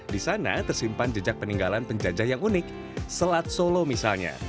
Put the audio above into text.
di sana tersimpan jejak peninggalan penjajah yang unik selat solo misalnya